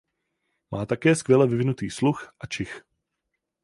Má také skvěle vyvinutý sluch a čich.